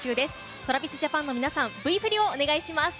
ＴｒａｖｉｓＪａｐａｎの皆さん、Ｖ振りをお願いします。